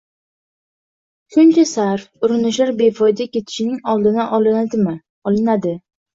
Shuncha sarf, urinishlar befoyda ketishining oldi olinadimi? Olinadi!